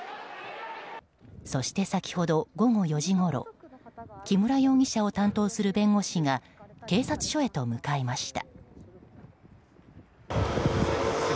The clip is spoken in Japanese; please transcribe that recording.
そして、先ほど午後４時ごろ木村容疑者を担当する弁護士が警察署へと向かいました。